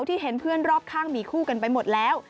ที่เห็นเพื่อนรอบข้างมีคู่กันไปหมดแล้ว